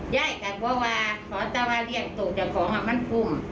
ยายก็บอกว่าขอตะว่าเรียนตัวของอะมันคุ้ม